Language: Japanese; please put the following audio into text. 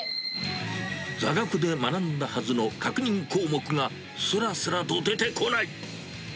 座学で学んだはずの確認項目が、すらすらと出てこない。